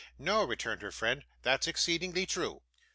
'No,' returned her friend; 'that's exceedingly true.